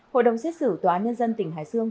hội đồng xét xử tòa án nhân dân tỉnh hải dương